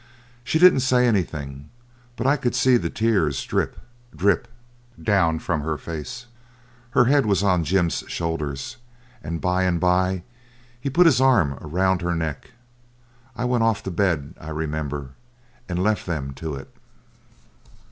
She didn't say anything, but I could see the tears drip, drip down from her face; her head was on Jim's shoulder, and by and by he put his arms round her neck. I went off to bed, I remember, and left them to it.